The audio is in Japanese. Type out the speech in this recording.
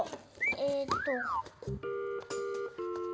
えっと。